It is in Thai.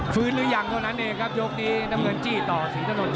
ฟื้นหรือยังเท่านั้นเองครับยกนี้น้ำเงินจี้ต่อสีทะนดชัย